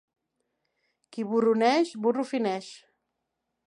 Qui burro neix, burro fineix.